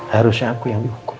harusnya aku yang dihukum